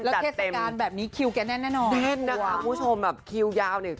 แล้วเทศกาลแบบนี้คิวแกแน่นแน่นอนแน่นนะคะคุณผู้ชมแบบคิวยาวเนี่ย